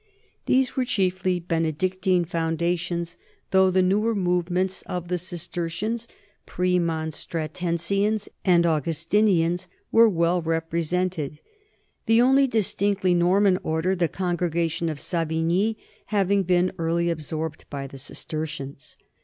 These were chiefly Benedictine foundations, though the newer movements of the Cister cians, Premonstratensians, and Augustinians were well represented, the only distinctively Norman order, the Congregation of Savigny, having been early absorbed by the Cistercians.